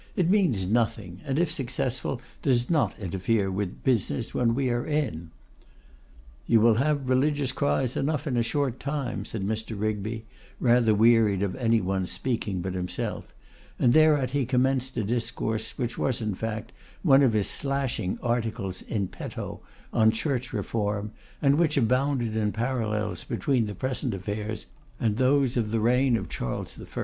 'It means nothing, and, if successful, does not interfere with business when we are in.' 'You will have religious cries enough in a short time,' said Mr. Rigby, rather wearied of any one speaking but himself, and thereat he commenced a discourse, which was, in fact, one of his 'slashing' articles in petto on Church Reform, and which abounded in parallels between the present affairs and those of the reign of Charles I.